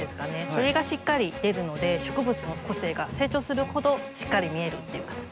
それがしっかり出るので植物の個性が成長するほどしっかり見えるっていう形。